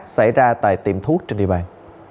xảy ra tại tiệm thuốc trên địa bàn